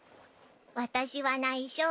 私はないしょ。